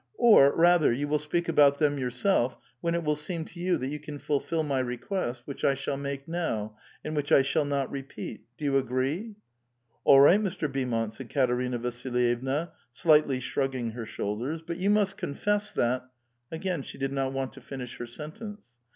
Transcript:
Or, rather, you will speak alK)ut them youi self when it will seem to you that you can fulfil my request which I shall make now, and which I shall not repeat. Do you agree ?"'' All right, Mr. Beaumont," said Katerina Vasilyevna, slightl}' shrugging her shoulders. "But you must confess that —" Again she did not want to finish her sentence.